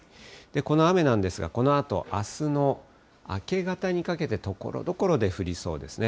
この雨なんですが、このあと、あすの明け方にかけてところどころで降りそうですね。